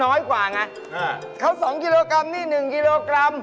น้อยกว่าไงเขาสองกิโลกรัมนี่๑กิโลกรัม